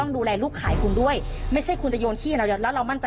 ดีกว่าดีกว่า